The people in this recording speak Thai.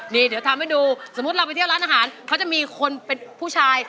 นี่เดี๋ยวทำให้ดูสมมุติเราไปเที่ยวร้านอาหารเขาจะมีคนเป็นผู้ชาย